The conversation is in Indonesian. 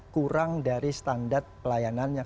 kurang dari standar pelayanan yang